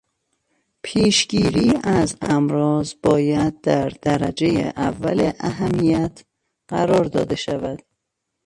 پیش گیری از امراض باید در درجهٔ اول اهمیت قرار داده شود.